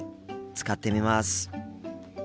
使ってみます。